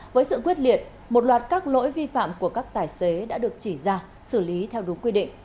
với sự quyết liệt một loạt các lỗi vi phạm của các tài xế đã được chỉ ra xử lý theo đúng quy định